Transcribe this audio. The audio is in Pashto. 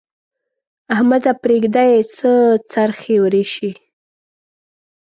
احمده! پرېږده يې؛ څه څرخی ورېشې.